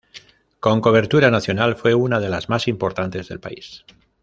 Con cobertura nacional, fue una de la más importantes del país.